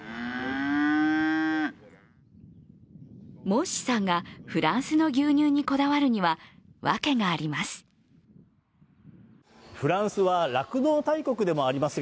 モッシさんがフランスの牛乳にこだわるにはワケがあります。